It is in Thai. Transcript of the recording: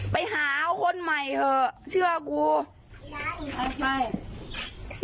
ไปหาคนใหม่เถอะเชื่อกู